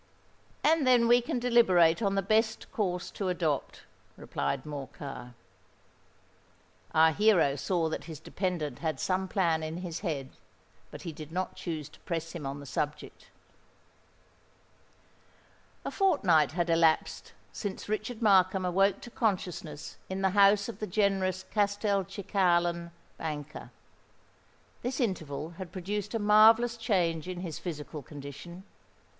"And then we can deliberate on the best course to adopt," replied Morcar. Our hero saw that his dependant had some plan in his head; but he did not choose to press him on the subject. A fortnight had elapsed since Richard Markham awoke to consciousness in the house of the generous Castelcicalan banker. This interval had produced a marvellous change in his physical condition.